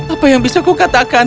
apa yang bisa kukatakan